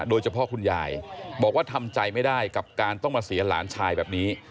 คุณยายบอกว่าทำใจไม่ได้กับการต้องมาเสียหลานชายแบบนี้